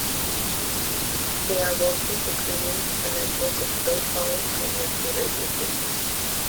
They are working to create a network of low power community radio stations.